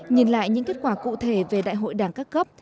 nhìn lại những kết quả cụ thể về đại hội đảng các cấp